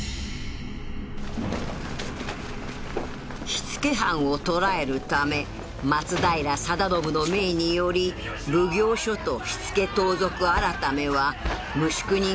火付け犯を捕らえるため松平定信の命により奉行所と火付盗賊改は無宿人狩りを行った